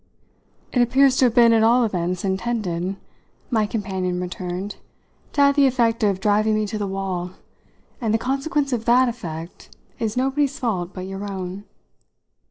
"It appears to have been at all events intended," my companion returned, "to have the effect of driving me to the wall; and the consequence of that effect is nobody's fault but your own."